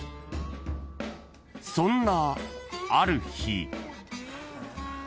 ［そんなある日］